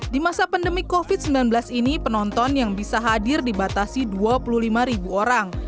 di masa pandemi covid sembilan belas ini penonton yang bisa hadir dibatasi dua puluh lima ribu orang